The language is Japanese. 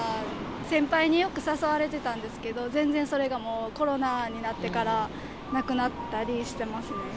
先輩によく誘われてたんですけど、全然それがもうコロナになってからなくなったりしてますね。